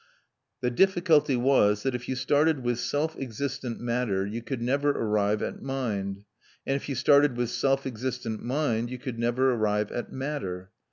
The difficulty was that if you started with self existent matter you could never arrive at mind, and if you started with self existent mind you could never arrive at matter.